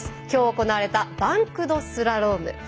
きょう行われたバンクドスラローム。